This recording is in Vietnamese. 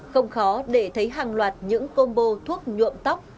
không khó để thấy hàng loạt những combo thuốc nhuộm tóc